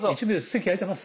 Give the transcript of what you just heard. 席空いてます？